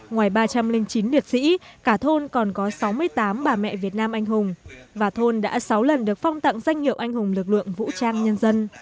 ngoài ba trăm linh chín liệt sĩ cả thôn còn có sáu mươi tám bà mẹ việt nam anh hùng và thôn đã sáu lần được phong tặng danh hiệu anh hùng lực lượng vũ trang nhân dân